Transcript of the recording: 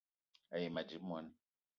A yi ma dzip moni